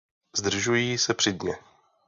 Zdržují se při dně.